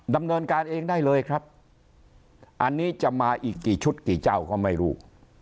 ดำเนินการเองได้เลยครับอันนี้จะมาอีกกี่ชุดกี่เจ้าก็ไม่รู้